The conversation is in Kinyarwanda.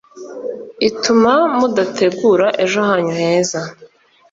ituma mudategura ejo hanyu heza